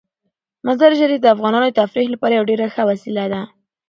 مزارشریف د افغانانو د تفریح لپاره یوه ډیره ښه وسیله ده.